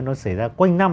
nó xảy ra quanh năm